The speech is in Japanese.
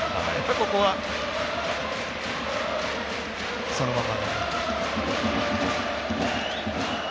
ここはそのまま。